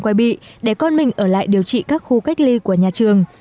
quay bị để con mình ở lại điều trị các khu cách ly của nhà trường